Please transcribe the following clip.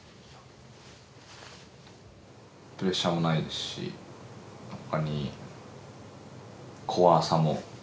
プレッシャーもないですしほかに怖さも。